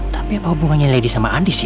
tapi apa hubungannya lady sama andis ya